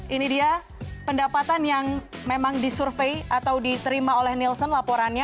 ini dia pendapatan yang memang disurvey atau diterima oleh nielsen laporannya